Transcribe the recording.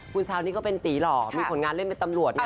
คุณชานี่ก็เป็นตีหลอกมีผลงานเป็นตำรวจนะ